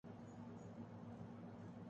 میں آج کل انگریزی بولنا سیکھ رہا ہوں